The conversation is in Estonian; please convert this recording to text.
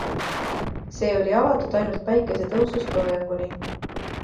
See oli avatud ainult päikesetõusust loojanguni.